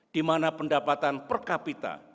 di mana pendapatan per kapita